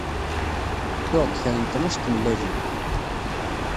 Tuɣ-d kra n tnac n tmellalin.